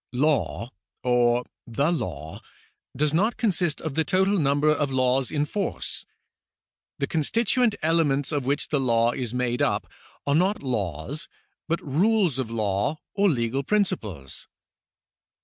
Law or the law does not consist of the total number of laws in force. The constituent elements of which the law is made up are not laws but rules of law or legal principles.